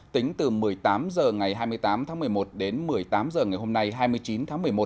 tính từ một mươi tám h ngày hai mươi tám tháng một mươi một đến một mươi tám h ngày hôm nay hai mươi chín tháng một mươi một